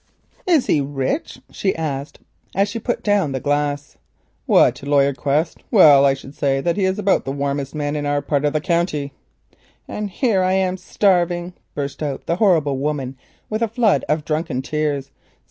"Is he rich?" she asked as she put down the glass. "What! Laryer Quest? Well I should say that he is about the warmest man in our part of the county." "And here am I starving," burst out the horrible woman with a flood of drunken tears.